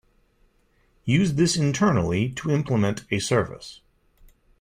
Use this internally to implement a service.